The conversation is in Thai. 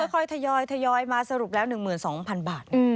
ค่อยทยอยมาสรุปแล้ว๑๒๐๐๐บาท